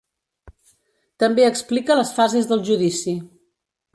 També explica les fases del judici.